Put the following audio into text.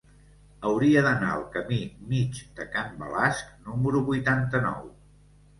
Hauria d'anar al camí Mig de Can Balasc número vuitanta-nou.